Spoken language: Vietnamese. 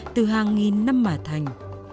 từ hàng nghìn năm mà thành